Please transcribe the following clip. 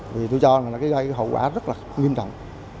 vì tôi cho là nó gây hậu quả rất là nghiêm trọng